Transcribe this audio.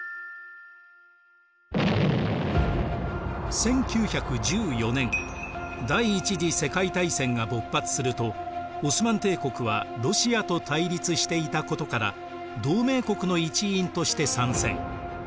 １９１４年第一次世界大戦が勃発するとオスマン帝国はロシアと対立していたことから同盟国の一員として参戦。